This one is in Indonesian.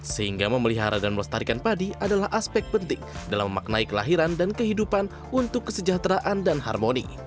sehingga memelihara dan melestarikan padi adalah aspek penting dalam memaknai kelahiran dan kehidupan untuk kesejahteraan dan harmoni